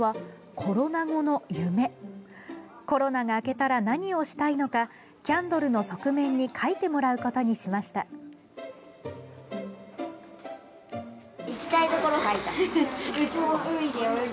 コロナが明けたら何をしたいのかキャンドルの側面に書いてもらうことにしました。